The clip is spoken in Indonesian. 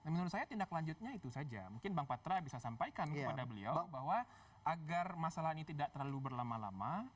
menurut saya tindak lanjutnya itu saja mungkin bang patra bisa sampaikan kepada beliau bahwa agar masalah ini tidak terlalu berlama lama